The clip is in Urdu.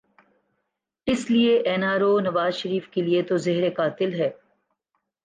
اس لیے N R O Nawaz Sharif کیلئے تو زہر قاتل ہے۔